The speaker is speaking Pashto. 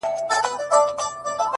خو ميکده کي په سجدې” راته راوبهيدې”